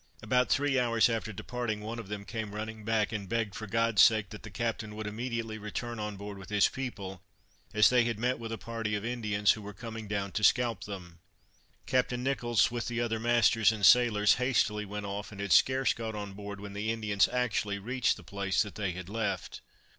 About three hours after departing, one of them came running back, and begged, for God's sake, that the Captain would immediately return on board with his people, as they had met with a party of Indians, who were coming down to scalp them. Captain Nicholls, with the other masters and sailors, hastily went off, and had scarce got on board when the Indians actually reached the place that they had left.